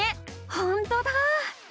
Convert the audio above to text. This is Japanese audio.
ほんとだ。